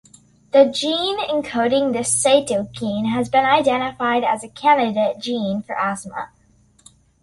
The gene encoding this cytokine has been identified as a candidate gene for asthma.